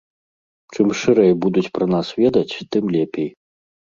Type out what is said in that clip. Чым шырэй будуць пра нас ведаць, тым лепей.